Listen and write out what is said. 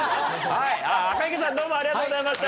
赤池さんどうもありがとうございました。